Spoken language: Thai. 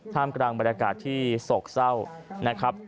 กลางบรรยากาศที่โศกเศร้านะครับ